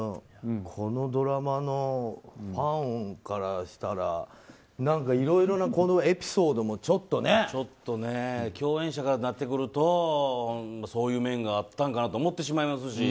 このドラマのファンからしたら何かいろいろなエピソードも共演者からとなってくるとそういう面があったんかなと思ってしまいますし。